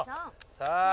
さあ